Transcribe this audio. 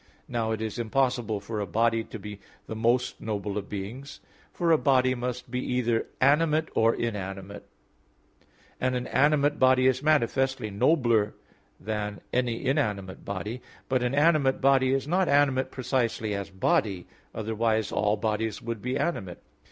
Now it is impossible for a body to be the most noble of beings; for a body must be either animate or inanimate; and an animate body is manifestly nobler than any inanimate body. But an animate body is not animate precisely as body; otherwise all bodies would be animate.